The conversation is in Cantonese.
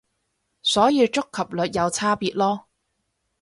所以觸及率有差別囉